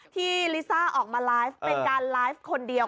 ลิซ่าออกมาไลฟ์เป็นการไลฟ์คนเดียว